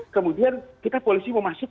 kemudian kita polisi mau masuk